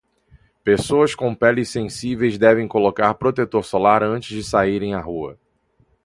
Pessoas com peles sensíveis devem colocar protetor solar antes de saírem à rua.